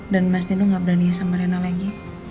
dan mas nda gak berani sama reina lagi